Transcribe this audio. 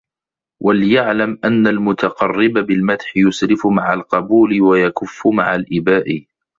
وَلْيَعْلَمْ أَنَّ الْمُتَقَرِّبَ بِالْمَدْحِ يُسْرِفُ مَعَ الْقَبُولِ وَيَكُفُّ مَعَ الْإِبَاءِ